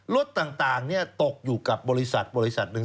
รถต่างตกอยู่กับบริษัทบริษัทหนึ่ง